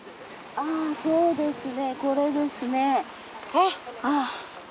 ああそうですねこれですね。